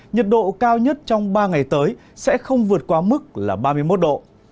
nhiệt độ cao nhất trong ba ngày tới sẽ không vượt qua mức là ba mươi một độ